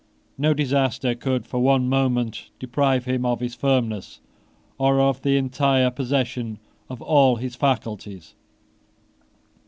No disaster could for one moment deprive him of his firmness or of the entire possession of all his faculties.